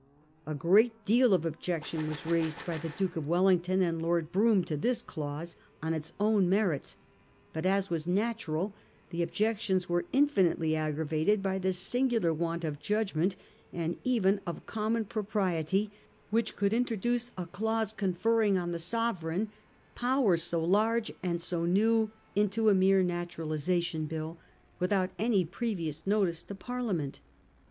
A great deal of objection was raised by the Duke of Welling ton and Lord Brougham to this clause on its own merits ; but, as was natural, the objections were infi nitely aggravated by the singular want of judgment, and even of common propriety, which could intro duce a clause conferring on the Sovereign powers so large and so new into a mere naturalisation bill, without any previous notice to Parliament.